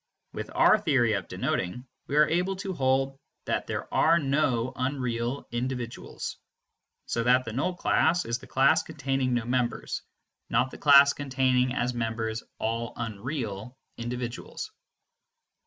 With our theory of denoting, we are able to hold that there are no unreal individuals; so that the null class is the class containing no members, not the class containing as members all unreal individuals.